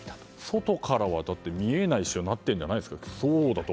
外からは見えない仕様になってるんじゃないですか？